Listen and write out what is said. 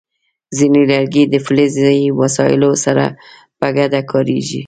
ځینې لرګي د فلزي وسایلو سره په ګډه کارېږي.